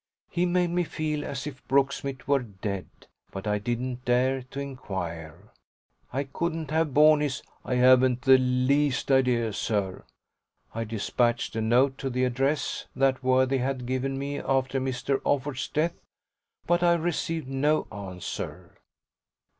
He made me feel as if Brooksmith were dead; but I didn't dare to inquire I couldn't have borne his "I haven't the least idea, sir." I despatched a note to the address that worthy had given me after Mr. Offord's death, but I received no answer.